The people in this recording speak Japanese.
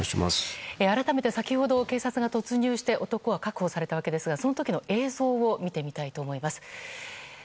改めて先ほど警察が突入して男は確保されたわけですがその時の映像を見てみたいと思います。